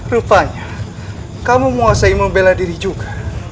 rupanya kamu mau saya membela diri juga